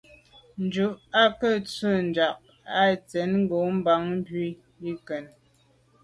Ntshu i nke ntswe’ tsha’ yi ntsan ngo’ bàn bwe ke yen.